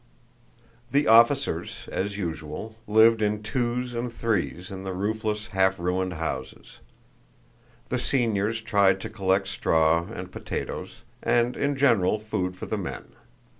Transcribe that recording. The officers, as usual, lived in twos and threes in the roofless, half ruined houses. The seniors tried to collect straw and potatoes and, in general, food for the men.